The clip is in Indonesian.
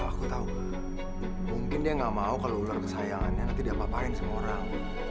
aku tahu mungkin dia gak mau kalau ular kesayangannya nanti diapa apain sama orang